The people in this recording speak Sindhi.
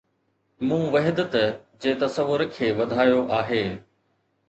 مون وحدت جي تصور کي وڌايو آهي